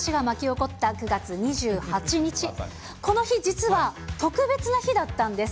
この日、実は特別な日だったんです。